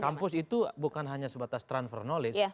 kampus itu bukan hanya sebatas transfer knowledge